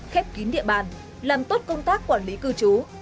khép kín địa bàn làm tốt công tác quản lý cư trú